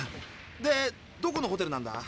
でどこのホテルなんだ？